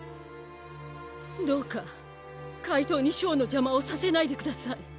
どうかかいとうにショーのじゃまをさせないでください。